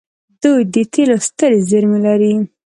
دوی د تیلو سترې زیرمې لري.